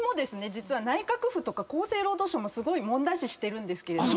実は内閣府とか厚生労働省もすごい問題視してるんですけど。